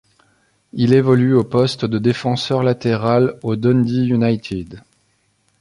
Il évolue au poste de défenseur latéral au Dundee United.